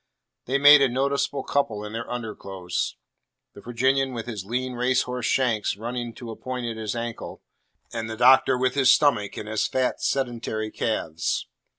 They made a noticeable couple in their underclothes; the Virginian with his lean racehorse shanks running to a point at his ankle, and the Doctor with his stomach and his fat sedentary calves.